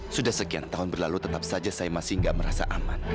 sudah sekian tahun berlalu tetap saja saya masih gak merasa aman